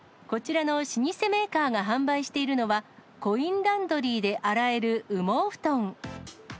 こちらの老舗メーカーが販売しているのは、コインランドリーで洗える羽毛布団。